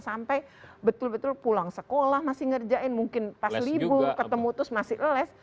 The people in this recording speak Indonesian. sampai betul betul pulang sekolah masih ngerjain mungkin pas libur ketemu terus masih les